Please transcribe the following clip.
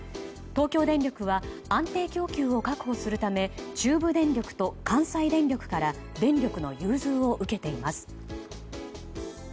東京電力は安定供給を確保するため中部電力と関西電力から電力の融通を受けています。